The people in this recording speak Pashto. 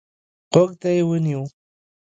غوږ ته يې ونيو.